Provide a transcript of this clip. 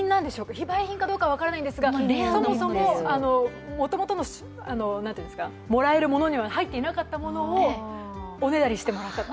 非売品かどうか分からないんですが、もともとのもらえるものに入っていなかったものをおねだりしてもらったと。